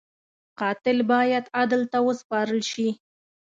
قاتل باید عدل ته وسپارل شي